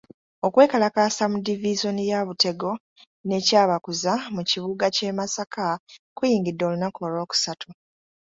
Okwekalakaasa mu divisoni ya Butego ne Kyabakuza mu kibuga ky'e Masaka kuyingidde olunaku olw'okusatu.